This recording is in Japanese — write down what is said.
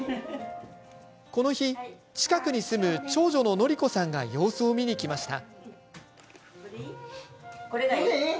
この日、近くに住む長女の紀子さんが様子を見に来ました。